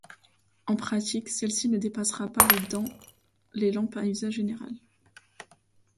En pratique celle-ci ne dépassera pas les dans les lampes à usage général.